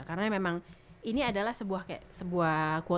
karena memang ini adalah sebuah kayak sebuah quote on quote